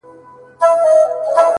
يــاره مـدعـا يــې خوښه ســـوېده.